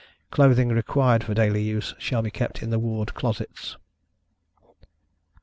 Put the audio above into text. Clothing required for daily use, shall be kept in the ward closets.